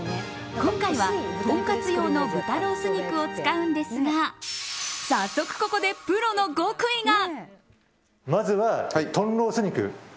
今回はとんかつ用の豚ロース肉を使うんですが早速、ここでプロの極意が。